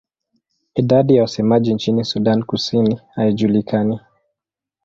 Idadi ya wasemaji nchini Sudan Kusini haijulikani.